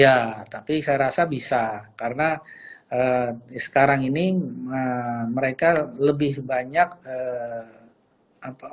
ya tapi saya rasa bisa karena sekarang ini mereka lebih banyak